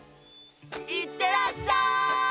いってらっしゃい！